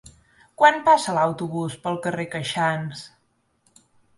Quan passa l'autobús pel carrer Queixans?